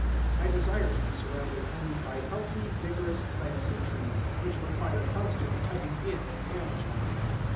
I desire to be surrounded only by healthy, vigorous plants and trees, which require constant cutting in and management.